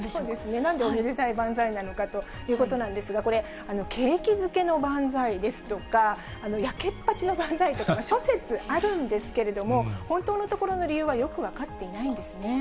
なんでおめでたい万歳なのかということなんですが、これ、景気づけの万歳ですとか、やけっぱちの万歳とか、諸説あるんですけれども、本当のところの理由はよく分かっていないんですね。